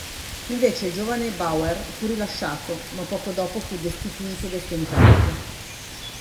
Invece il giovane Bauer fu rilasciato, ma poco dopo fu destituito dai suoi incarichi.